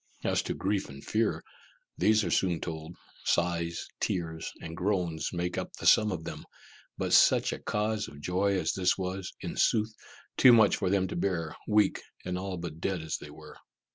As to grief and fear, these are soon told sighs, tears, and groans make up the sum of them but such a cause of joy as this was, in sooth, too much for them to bear, weak and all but dead as they were.